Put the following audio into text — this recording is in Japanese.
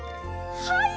はい！